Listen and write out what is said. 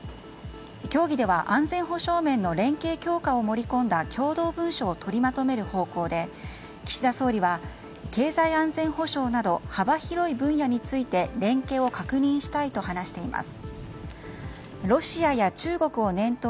協議では安全保障面の連携強化を盛り込んだ共同文書を取りまとめる方向で岸田総理は経済安全保障など幅広い分野について連携を確認したいと話しています。